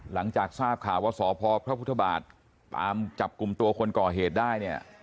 หลังจากทราบข่าวว่าสพพระพุทธบาทตามจับกลุ่มตัวคนก่อเหตุได้เนี่ย